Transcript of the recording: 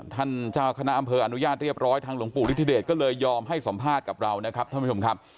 ท่านเจ้าคณะอำเภออนุญาตเรียบร้อยทางหลวงปู่ฤทธิเดชก็เลยยอมให้สัมภาษณ์กับเรานะครับท่านผู้ชมครับ